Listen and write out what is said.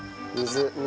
水。